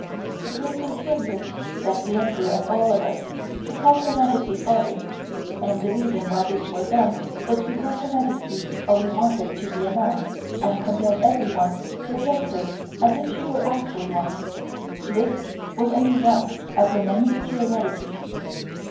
It may seem curious that the Emperor and all of us should call Her Majesty father, and the reason why this was done was because Her Majesty always wanted to be a man and compelled everyone to address her as if she were actually one. This was only one of her many peculiarities.